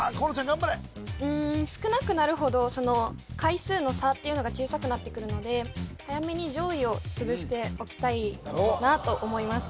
頑張れ少なくなるほど回数の差っていうのが小さくなってくるので早めに上位をつぶしておきたいなと思います